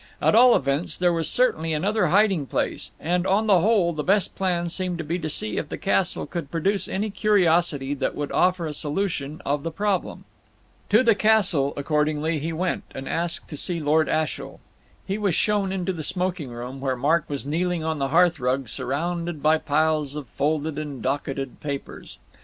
At all events, there was certainly another hiding place; and, on the whole, the best plan seemed to be to see if the castle could produce any curiosity that would offer a solution of the problem. To the castle, accordingly, he went, and asked to see Lord Ashiel. He was shown into the smoking room, where Mark was kneeling on the hearth rug surrounded by piles of folded and docketed papers.